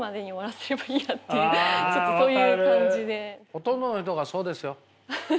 ほとんどの人がそうですよ。